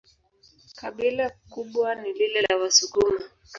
Kabila kubwa ni lile la Wasukuma.